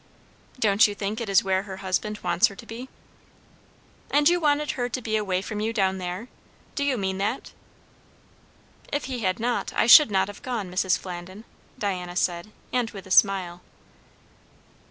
"Don't you think it is where her husband wants her to be?" "And you wanted her to be away from you down there? Do you mean that?" "If he had not, I should not have gone, Mrs. Flandin," Diana said, and with a smile.